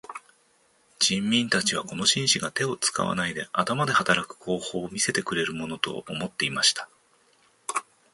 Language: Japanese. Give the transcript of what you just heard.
人民たちはこの紳士が手を使わないで頭で働く方法を見せてくれるものと思っていました。